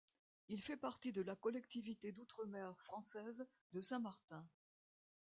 Il fait partie de la collectivité d'outre-mer française de Saint-Martin.